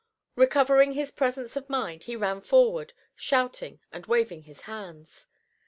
Recovering his presence of mind, he ran forward, shouting and waving his hands.